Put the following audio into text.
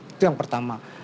itu yang pertama